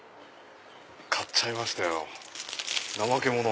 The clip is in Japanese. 買っちゃいましたよナマケモノ。